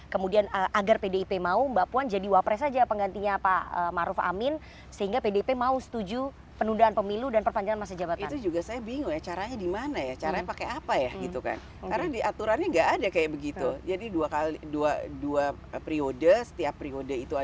kemudian tersalurkan juga di wilayah di luar jawa